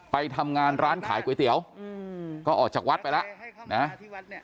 ไปทำงานร้านขายก๋วยเตี๋ยวก็ออกจากวัดไปแล้วนะ